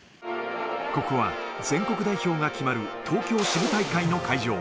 ここは全国代表が決まる東京支部大会の会場。